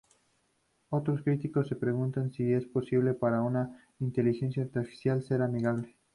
Otros críticos se preguntan si es posible para una inteligencia artificial ser amigable.